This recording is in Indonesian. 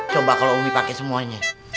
coba kalau umi pakai semuanya